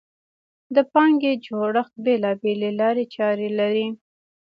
د پانګې جوړښت بېلابېلې لارې چارې لري.